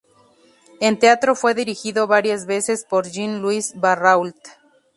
En teatro fue dirigido varias veces por Jean-Louis Barrault.